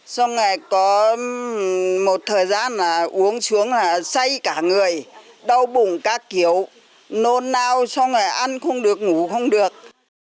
xong rồi có một thời gian là uống xuống là say cả người đau bụng các kiểu nôn nao xong rồi ăn không được ngủ không được